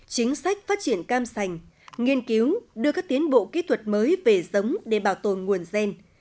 chính sách phát triển cam sành nghiên cứu đưa các tiến bộ kỹ thuật mới về giống để bảo tồn nguồn gen